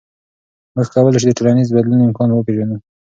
موږ کولی شو د ټولنیز بدلون امکان وپېژنو.